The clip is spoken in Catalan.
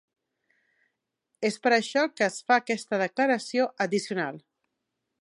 És per això que es fa aquesta declaració addicional.